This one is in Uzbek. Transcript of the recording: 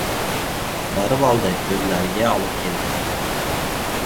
Borib oldi. Ko‘zlariga olib keldi.